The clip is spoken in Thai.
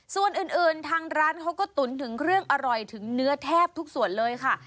ส่วนอื่นทางร้านเขาก็ตุ๋นถึงเครื่องอร่อยถึงเนื้อแทบทุกส่วนเลยค่ะ